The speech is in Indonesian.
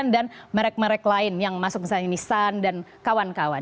dan merek merek lain yang masuk misalnya nissan dan kawan kawan